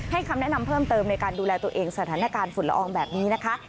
คำแนะนำเพิ่มเติมในการดูแลตัวเองสถานการณ์ฝุ่นละอองแบบนี้นะคะ